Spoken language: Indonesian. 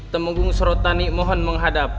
temugung sorotani mohon menghadap